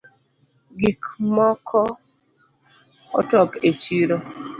Gik mokootop e chiro